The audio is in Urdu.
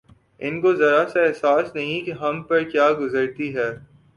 ان کو ذرا سا احساس نہیں کہ ہم پر کیا گزرتی ہے